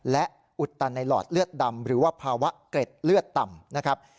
และอุดตันในหลอดเลือดดำหรือว่าภาวะเกร็ดเลือดต่ำนะครับ